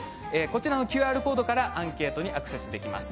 こちらのＱＲコードからアンケートにアクセスできます。